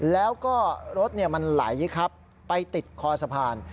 แล้วก็รถมันไหลครับไปติดคอสะพาน